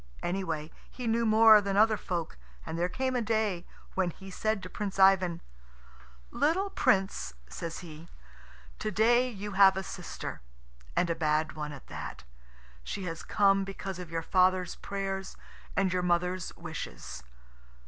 Anyway, he knew more than other folk, and there came a day when he said to Prince Ivan, "Little Prince," says he, "to day you have a sister, and a bad one at that. She has come because of your father's prayers and your mother's wishes.